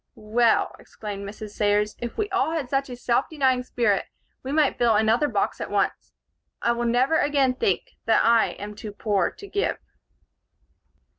"Well," exclaimed Mrs. Sayers, "if we all had such a self denying spirit, we might fill another box at once. I will never again think that I am too poor to give."